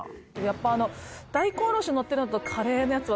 やっぱあの大根おろしのってるのとカレーのやつ